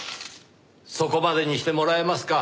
そこまでにしてもらえますか？